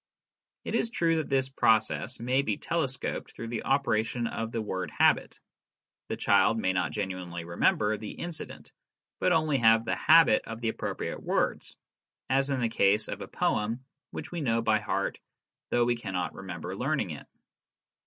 It is true that this process may be telescoped through the operation of the word habit. The child may not genuinely remember the incident, but only have the habit of the appropriate words, as in the case of a poem which we know by heart though we cannot remember learning it.